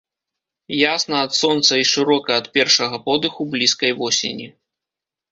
Ясна ад сонца і шырока ад першага подыху блізкай восені.